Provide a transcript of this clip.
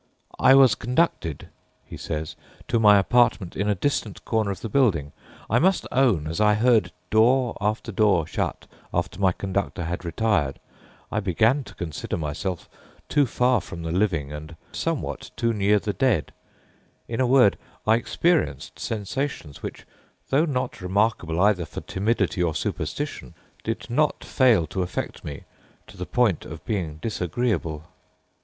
"I was conducted," he says, "to my apartment in a distant corner of the building. I must own, as I heard door after door shut after my conductor had retired, I began to consider myself too far from the living and somewhat too near the dead in a word, I experienced sensations which, though not remarkable either for timidity or superstition, did not fail to affect me to the point of being disagreeable."